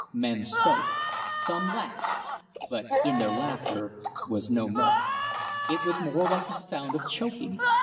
Men spoke, some laughed, but in their laughter was no mirth. It was more like the sound of choking.